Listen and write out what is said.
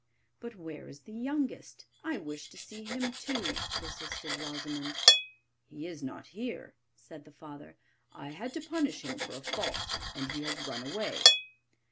'But where is the youngest? I wish to see him too,' persisted Rosimond. 'He is not here,' said the father. 'I had to punish him for a fault, and he has run away.